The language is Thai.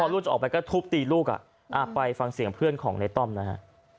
ลูกจะออกไปก็ทุบตีลูกไปฟังเสียงเพื่อนของในต้อมนะฮะ